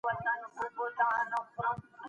پښتون قام به